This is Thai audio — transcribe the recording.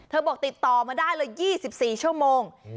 บอกติดต่อมาได้เลย๒๔ชั่วโมง